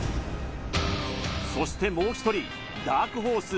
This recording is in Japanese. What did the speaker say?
そしてもう一人ダークホース